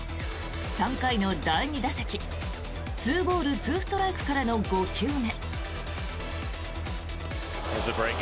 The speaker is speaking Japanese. ３回の第２打席２ボール２ストライクからの５球目。